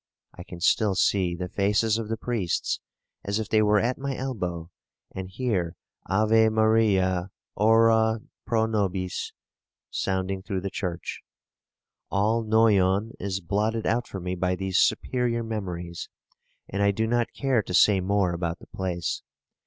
I can still see the faces of the priests as if they were at my elbow, and hear Ave Maria, ora pro nobis, sounding through the church. All Noyon is blotted out for me by these superior memories; and I do not care to say more about the place.